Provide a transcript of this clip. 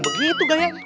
begitu gak ya